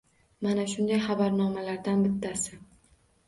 Mana shunday xabarnomalardan bittasi.